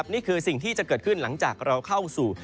นี่คือสิ่งที่จะเกิดขึ้นหลังจากเราเข้าสู่